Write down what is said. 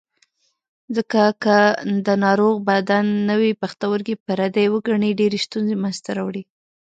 ځکه که د ناروغ بدن نوی پښتورګی پردی وګڼي ډېرې ستونزې منځ ته راوړي.